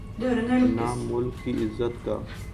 نہ ملک کی عزت کا۔